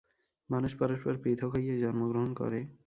মানুষ পরস্পর পৃথক হইয়াই জন্মগ্রহণ করে।